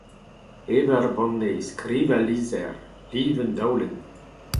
Ev ur banne ! Skriv ul lizher ! Liv un daolenn !